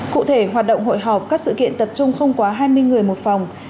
cụ thể hoạt động hội họp các sự kiện tập trung không quá hai mươi người một phòng